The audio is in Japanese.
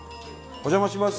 お邪魔します。